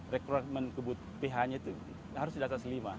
requirement ph nya itu harus diatas lima